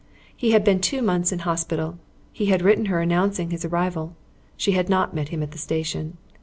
He had been two months in hospital. He had written to her announcing his arrival. She had not met him at the station.